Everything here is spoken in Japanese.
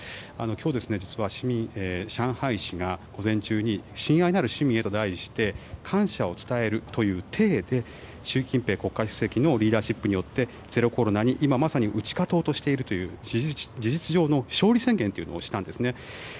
今日、実は上海市が午前中に親愛なる市民へと題して感謝を伝えるという体で習近平国家主席のリーダーシップによってゼロコロナに今まさに打ち勝とうとしていると事実上の勝利宣言をしたんですね。